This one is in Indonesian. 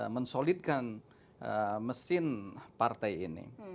mensolidkan mesin partai ini